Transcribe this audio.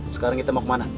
sekarang kita mau kemana